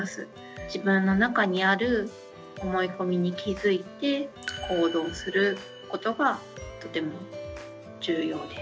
自分の中にある思い込みに気付いて行動することがとても重要です。